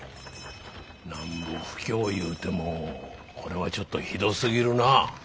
なんぼ不況いうてもこれはちょっとひどすぎるな。